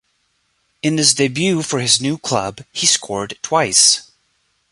In his debut for his new club, he scored twice.